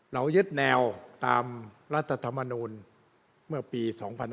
เรายึดแนวตามรัฐธรรมนูลเมื่อปี๒๕๕๙